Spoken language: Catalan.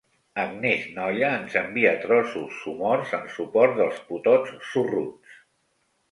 Agnès Nolla ens envia trossos somorts en suport dels putots sorruts.